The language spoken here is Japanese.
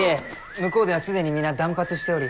向こうでは既に皆断髪しており。